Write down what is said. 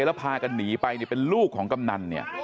แล้วพากันหนีไปเป็นลูกของกำนัน